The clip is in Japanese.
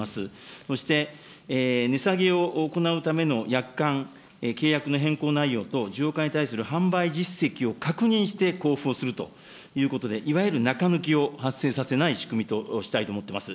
そして値下げを行うための約款、契約の変更内容等事業化に対する販売実績を確認して交付をするということで、いわゆる中抜きを発生させない仕組みにしたいと思います。